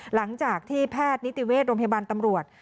หลังจากที่แพทย์นิติเวชโรงพยาบาลตำรวจ